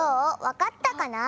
わかったかな？